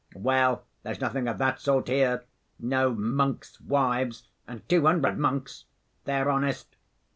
Well, there's nothing of that sort here, no 'monks' wives,' and two hundred monks. They're honest.